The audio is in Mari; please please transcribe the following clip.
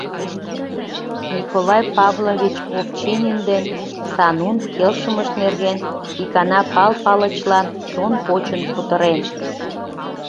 Николай Павлович Овчинин ден Санун келшымышт нерген икана Пал Палычлан чон почын кутырен.